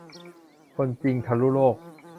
คนจริงทะลุโลก